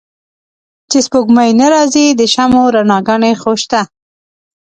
چې سپوږمۍ نه را ځي د شمعو رڼاګا نې خوشته